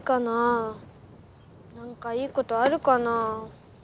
なんかいいことあるかな？